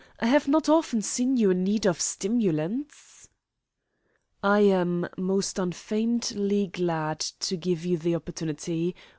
I have not often seen you in need of stimulants." "I am most unfeignedly glad to give you the opportunity.